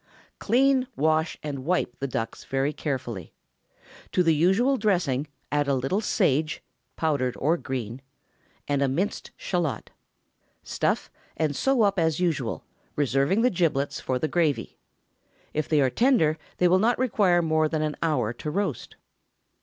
Clean, wash, and wipe the ducks very carefully. To the usual dressing add a little sage (powdered or green), and a minced shallot. Stuff, and sew up as usual, reserving the giblets for the gravy. If they are tender, they will not require more than an hour to roast.